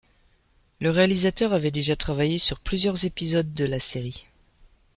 Le réalisateur avait déjà travaillé sur plusieurs épisodes de la série.